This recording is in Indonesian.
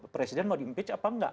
presiden mau di impeach apa enggak